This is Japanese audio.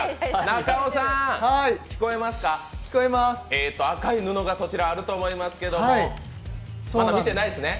中尾さーん、赤い布がそちらあると思いますけどまだ見てないですね？